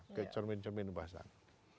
pakai cermin cermin dipasang